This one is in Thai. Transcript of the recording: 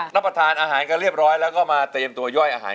รับประทานอาหารกันเรียบร้อยแล้วก็มาเตรียมตัวย่อยอาหาร